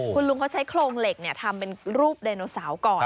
คุณลุงเขาใช้โครงเหล็กทำเป็นรูปไดโนเสาร์ก่อน